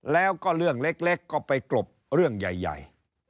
แล้วก็เรื่องเล็กก็ไปกรบเรื่องใหญ่